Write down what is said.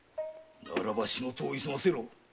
ならば仕事を急がせろ。